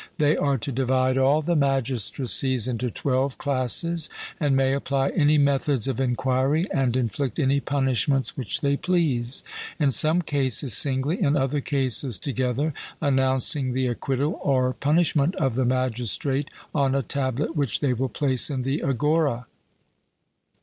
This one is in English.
They are to divide all the magistracies into twelve classes, and may apply any methods of enquiry, and inflict any punishments which they please; in some cases singly, in other cases together, announcing the acquittal or punishment of the magistrate on a tablet which they will place in the agora.